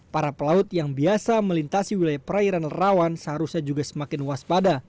para pelaut yang biasa melintasi wilayah perairan rawan seharusnya juga semakin waspada